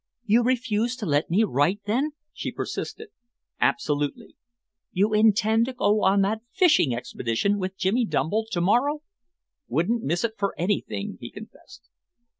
"You refuse to let me write, then?" she persisted. "Absolutely." "You intend to go on that fishing expedition with Jimmy Dumble to morrow?" "Wouldn't miss it for anything," he confessed.